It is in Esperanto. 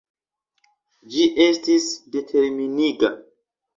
Ĝi estis determiniga.